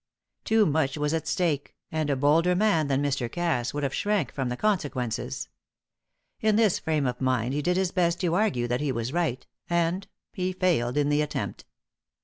Too much was at stake, and a bolder man than Mr. Cass would have shrank from the consequences. In this frame of mind he did his best to argue that he was right, and he failed in the attempt.